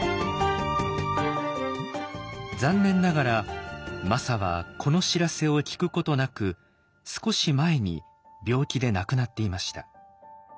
残念ながらマサはこの知らせを聞くことなく少し前に病気で亡くなっていました。